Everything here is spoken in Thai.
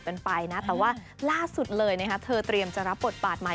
แต่ว่าล่าสุดเลยเธอเตรียมจะรับปฏิบัติใหม่